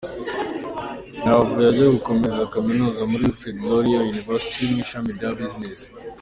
Yahavuye ajya gukomereza Kaminuza muri Wilfred Laurier University mu ishami rya Business.